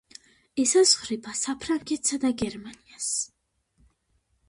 ესაზღვრება საფრანგეთსა და გერმანიას.